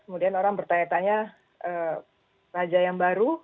kemudian orang bertanya tanya raja yang baru